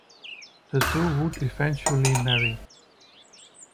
The two would eventually marry.